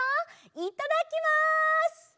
いただきます！